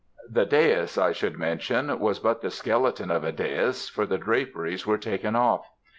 "The dais, I should mention, was but the skeleton of a dais, for the draperies were taken off.